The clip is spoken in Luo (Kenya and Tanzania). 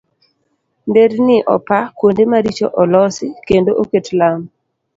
Nderni opa, kuonde maricho olosi kendo oket lam.